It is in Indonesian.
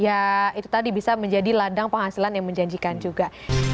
ya itu tadi bisa menjadi ladang penghasilan yang menjanjikan juga